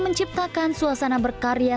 menciptakan suasana berkarya